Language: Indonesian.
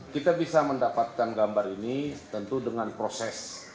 kita bisa mendapatkan gambar ini tentu dengan proses